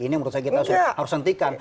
ini yang menurut saya kita harus hentikan